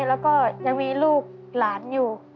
แล้วก็ยังมีลูกหลานอยู่